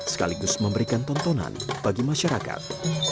sekaligus memberikan tontonan bagi masyarakat